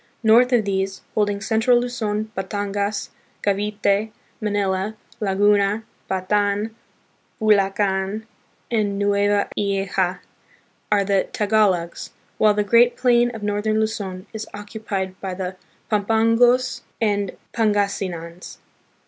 North of these, holding central Luzon, Batangas, Cavite, Manila, Laguna, Bataan, Bulacan, and Nueva Ecija, are the Tagalogs, while the great plain of northern Luzon is occupied by the Pampangos and Pangasinans.